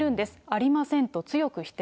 ありません！と強く否定。